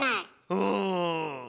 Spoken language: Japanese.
うん。